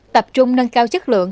tập trung nâng cao chất lượng